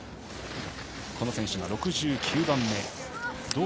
この選手が６９番目。